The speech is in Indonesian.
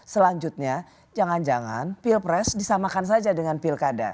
selanjutnya jangan jangan pilpres disamakan saja dengan pilkada